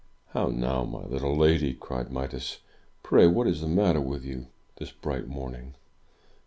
"How now, my little lady!'' cried Midas. "Pray what is the matter with you, this bright morning?"